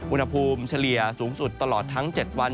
อุณหภูมิเฉลี่ยสูงสุดตลอดทั้ง๗วัน